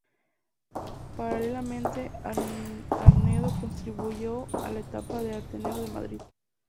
Paralelamente, Arnedo contribuye a la nueva etapa del Ateneo de Madrid.